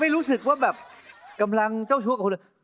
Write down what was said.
ไม่รู้สึกว่าแบบกำลังเจ้าชู้ปลายตา